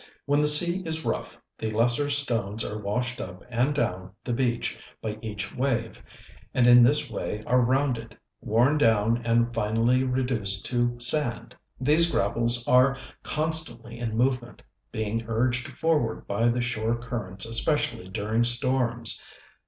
When the sea is rough the lesser stones are washed up and down the beach by each wave, and in this way are rounded, worn down and finally reduced to sand. These gravels are constantly in movement, being urged forward by the shore currents especially during storms.